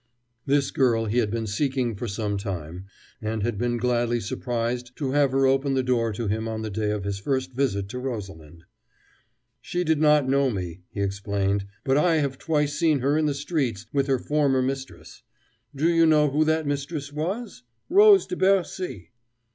This girl he had been seeking for some time, and had been gladly surprised to have her open the door to him on the day of his first visit to Rosalind. "She did not know me," he explained, "but I have twice seen her in the streets with her former mistress. Do you know who that mistress was? Rose de Bercy!"